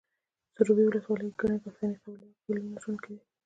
سروبي ولسوالۍ کې ګڼې پښتنې قبیلې او خيلونه ژوند کوي